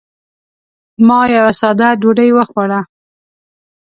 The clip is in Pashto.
ما یوه ساده ډوډۍ وخوړه.